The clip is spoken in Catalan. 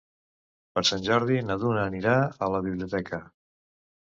Per Sant Jordi na Duna anirà a la biblioteca.